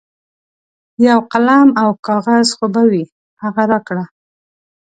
یو قلم او کاغذ خو به وي هغه راکړه.